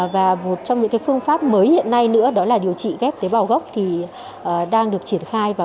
và một trong những phương pháp mới hiện nay nữa đó là điều trị ghép tế bào gốc thì đang được triển khai